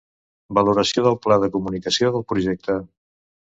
Valoració del pla de comunicació del projecte.